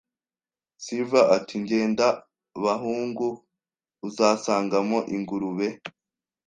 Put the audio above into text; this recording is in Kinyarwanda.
Silver ati: "Genda, bahungu," “Uzasangamo ingurube